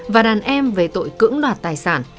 và đàn em về tội cưỡng đoạt tài sản